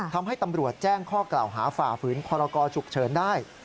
ทำให้ตำรวจแจ้งข้อกล่าวหาฝ่าฝืนพรกรฉุกเฉินได้